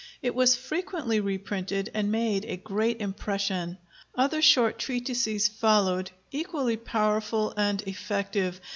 It was frequently reprinted, and made a great impression. Other short treatises followed, equally powerful and effective.